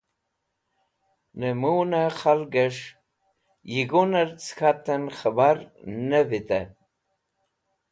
Nẽmũun khalgẽs̃h yighunrev cẽ k̃hatẽn k̃hẽbar ne vitẽ.